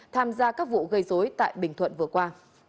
tham gia các vụ gây dối tại bình thuận vừa qua